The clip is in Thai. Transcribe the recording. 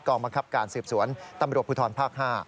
บังคับการสืบสวนตำรวจภูทรภาค๕